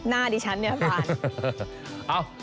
หน้าดิฉันเนี่ยฟัน